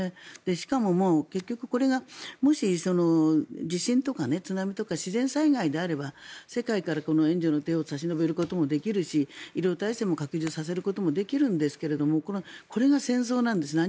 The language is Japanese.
しかも結局これがもし地震とか津波とか自然災害であれば世界から援助の手を差し伸べることもできるし医療体制も拡充させることはできるんですけどこれが戦争なんです。